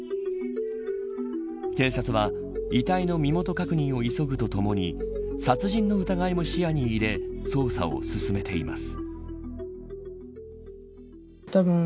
警察は遺体の身元確認を急ぐとともに殺人の疑いも視野に入れ捜査を進めています。